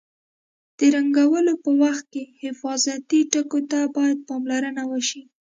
د رنګولو په وخت کې حفاظتي ټکو ته باید پاملرنه وشي.